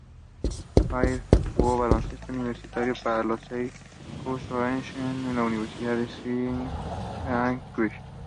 Fair jugó baloncesto universitario para los Syracuse Orange de la Universidad de Syracuse.